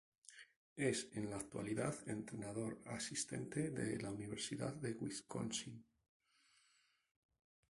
Es en la actualidad entrenador asistente de la Universidad de Wisconsin.